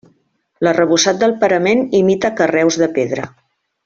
L'arrebossat del parament imita carreus de pedra.